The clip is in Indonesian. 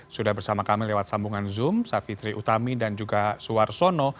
sudah bersama kami lewat sambungan zoom savitri utami dan juga suwarsono